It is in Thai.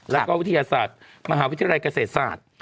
แล้วก็วิทยาศาสตร์มหาวิทยาลัยเกษตรศาสตร์